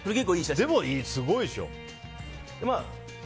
でも、すごいでしょ。